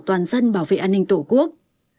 toàn dân bảo vệ an ninh tổ quốc